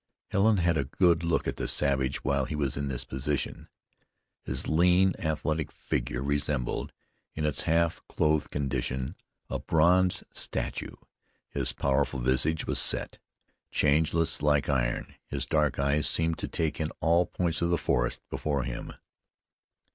Helen had a good look at the savage while he was in this position. His lean, athletic figure resembled, in its half clothed condition, a bronzed statue; his powerful visage was set, changeless like iron. His dark eyes seemed to take in all points of the forest before him.